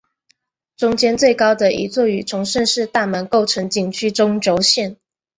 中间最高的一座与崇圣寺大门构成景区中轴线。